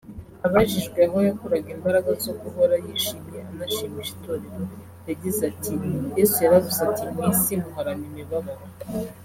Abajijwe aho yakuraga imbaraga zo guhora yishimye anashimisha Itorero yagize ati “Yesu yaravuze ati ‘Mu isi muhorana imibabaro